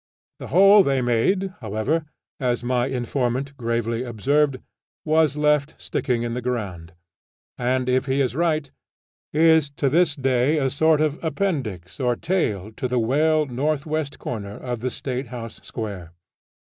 The hole they made, however, as my informant gravely observed, was left sticking in the ground, and if he is right is to this day a sort of appendix or tail to the well north west corner of the State House Square.